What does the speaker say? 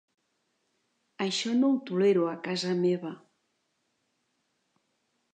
Això no ho tolero a casa meva.